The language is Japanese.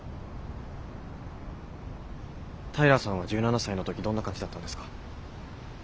平さんは１７才の時どんな感じだったんですか？